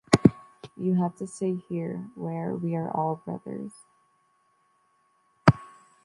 You have to stay here, were we are all brothers.